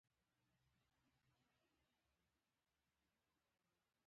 موږ د دغه انساني بیانیې او فکر خلک یو.